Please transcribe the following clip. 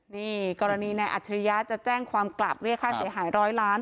นี่กรณีนายอัจฉริยะจะแจ้งความกลับเรียกค่าเสียหายร้อยล้าน